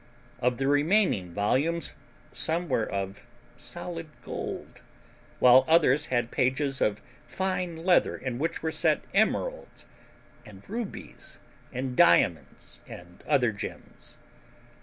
Of the remaining volumes some were of solid gold, while others had pages of fine leather in which were set emeralds and rubies and diamonds and other gems.